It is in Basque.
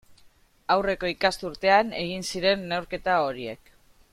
Aurreko ikasturtean egin ziren neurketa horiek.